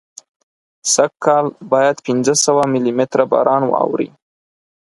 سږکال باید پینځه سوه ملي متره باران واوري.